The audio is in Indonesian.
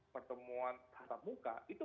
pertemuan tatap muka itu